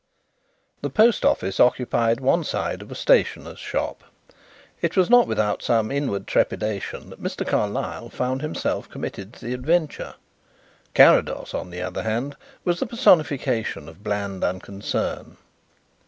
The post office occupied one side of a stationer's shop. It was not without some inward trepidation that Mr. Carlyle found himself committed to the adventure. Carrados, on the other hand, was the personification of bland unconcern.